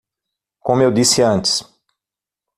Como eu disse antes